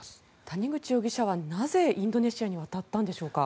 谷口容疑者はなぜ、インドネシアに渡ったんでしょうか。